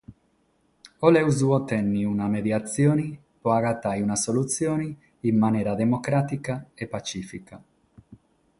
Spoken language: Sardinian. Cherimus otènnere una mediatzione pro agatare una solutzione in manera democràtica e patzìfica.